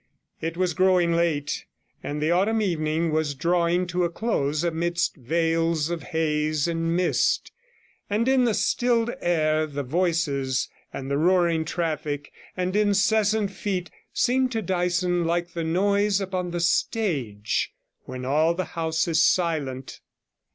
It was growing late, and the autumn evening was drawing to a close amidst veils 126 of haze and mist, and in the stilled air the voices, and the roaring traffic, and incessant feet seemed to Dyson like the noise upon the stage when all the house is silent.